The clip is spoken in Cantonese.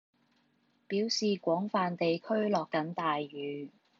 表示廣泛地區落緊大雨